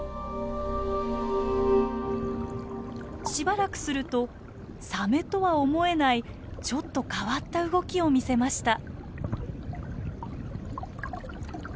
しばらくするとサメとは思えないちょっと変わった動きを見せました。